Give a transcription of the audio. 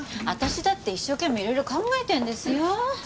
私だって一生懸命いろいろ考えてるんですよ。